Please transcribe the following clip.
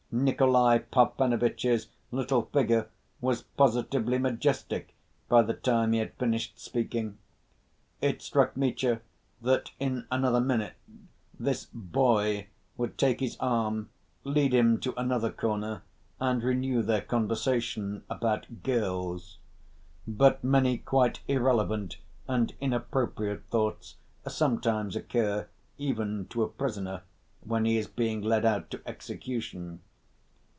Nikolay Parfenovitch's little figure was positively majestic by the time he had finished speaking. It struck Mitya that in another minute this "boy" would take his arm, lead him to another corner, and renew their conversation about "girls." But many quite irrelevant and inappropriate thoughts sometimes occur even to a prisoner when he is being led out to execution.